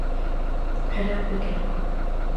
Era eu pequeno.